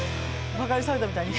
バカにされたみたいに。